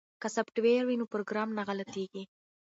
که سافټویر وي نو پروګرام نه غلطیږي.